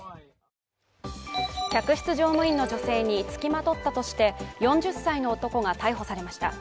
客室乗務員の女性に付きまとったとして４０歳の男が逮捕されました。